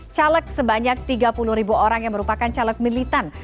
caleg sebanyak tiga puluh ribu orang yang merupakan caleg militan